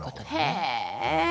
へえ！